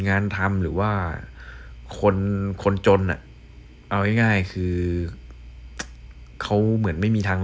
งานทำหรือว่าคนคนจนอ่ะเอาง่ายคือเขาเหมือนไม่มีทาง